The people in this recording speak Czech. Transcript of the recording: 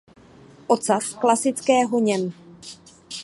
Ocas klasického něm.